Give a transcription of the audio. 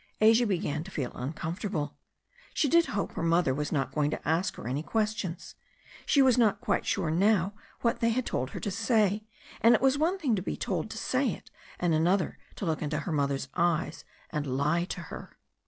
Asia began to feel un comfortable. She did hope her mother was not going to ask her any questions. She was not quite sure now what they had told her to say. And it was one thing to be told to say it, and another to look into her mother's eyes and lie to her.